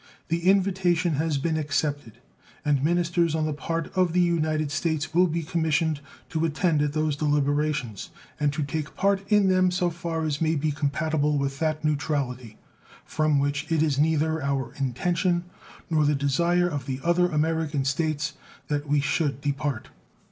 The invitation has been accepted, and ministers on the part of the United States will be commissioned to attend at those deliberations, and to take part in them so far as may be compatible with that neutrality from which it is neither our intention nor the desire of the other American States that we should depart.